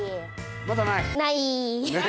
まだない？